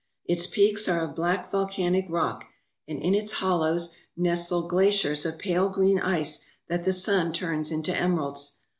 Its peaks are of black volcanic rock, and in its hollows nestle glaciers of pale green ice that the sun turns into emeralds.